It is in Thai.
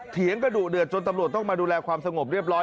เถียงกระดุเดือดจนตำรวจต้องมาดูแลความสงบเรียบร้อย